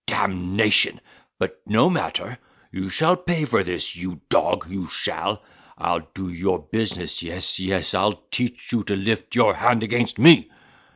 damnation! but no matter, you shall pay for this, you dog, you shall; I'll do your business—yes, yes, I'll teach you to lift your hand against me."